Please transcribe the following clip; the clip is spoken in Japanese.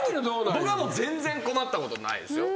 僕は全然困ったことないですよ。